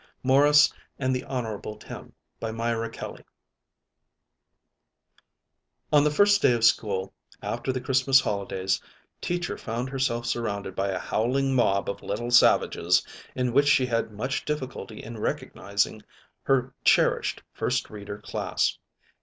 MORRIS AND THE HONORABLE TIM BY MYRA KELLY On the first day of school, after the Christmas holidays, teacher found herself surrounded by a howling mob of little savages in which she had much difficulty in recognizing her cherished First Reader Class.